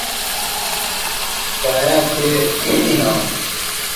Taa yake inawaka